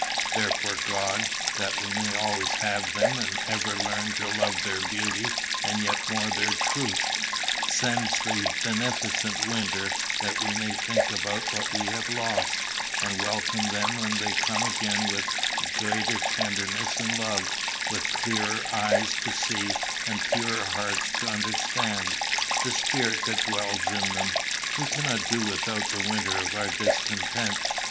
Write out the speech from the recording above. Therefore God, that we may always have them, and ever learn to love their beauty, and yet more their truth, sends the beneficent winter that we may think about what we have lost, and welcome them when they come again with greater tenderness and love, with clearer eyes to see, and purer hearts to understand, the spirit that dwells in them. We cannot do without the 'winter of our discontent.